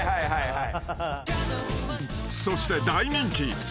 はい。